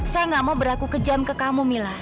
saya gak mau berlaku kejam ke kamu mila